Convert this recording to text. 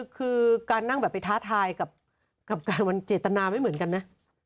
คือการนั่งแบบไปท้าทายกับการมันเจตนาไม่เหมือนกันนะ